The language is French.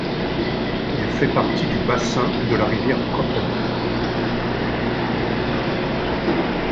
Il fait partie du basin de la rivière Copper.